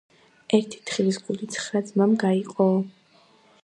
ერთი თხილის გული ცხრა ძმამ გაიყოო.